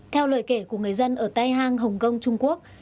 theo lời kể của người dân ở tay hang hồng kông trung quốc